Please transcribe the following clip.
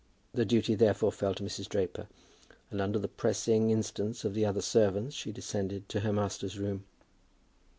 The duty therefore fell to Mrs. Draper, and under the pressing instance of the other servants she descended to her master's room.